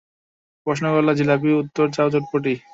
প্রশ্ন করলা জিলাপী উত্তর চাও চটপটি?